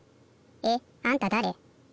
えっあんただれ？